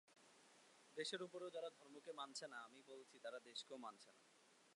দেশের উপরেও যারা ধর্মকে মানছে না, আমি বলছি, তারা দেশকেও মানছে না।